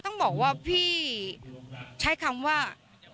ต้องบอกว่าพี่ใช้คำว่า